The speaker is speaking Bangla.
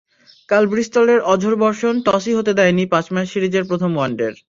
কাল ব্রিস্টলের অঝোর বর্ষণ টসই হতে দেয়নি পাঁচ ম্যাচ সিরিজের প্রথম ওয়ানডের।